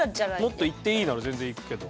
もっといっていいなら全然いくけど。